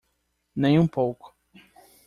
Nem um pouco.